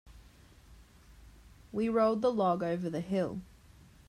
We rolled the log over the hill.